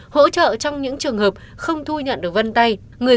hỗ trợ trong những trường hợp không thu nhận được vân tay